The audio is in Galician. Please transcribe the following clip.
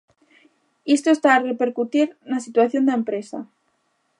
Isto está a repercutir na situación da empresa.